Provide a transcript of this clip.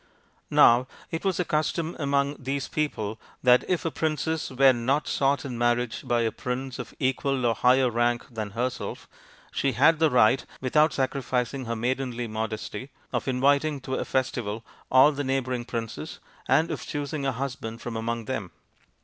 Now it was the custom among these people that if a princess were not sought in marriage by a prince of equal or higher rank than herself, she had the right, without sacrificing her maidenly modesty, of inviting to a festival all the neighbouring princes, and of choosing a husband from among them.